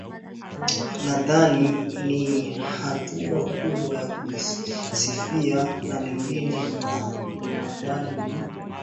nadhani ni ni hatua kubwa ya kujisifia na lingine nina ninadhani ni